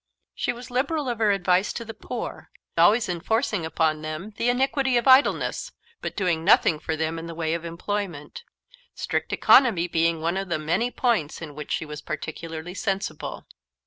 She was liberal of her advice to the poor, always enforcing upon them the iniquity of idleness, but doing nothing for them in the way of employment strict economy being one of the many points in which she was particularly sensible.